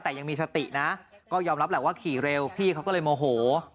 แต่ยังมีสตินะก็ยอมรับแหละว่าขี่เร็วพี่เขาก็เลยโมโห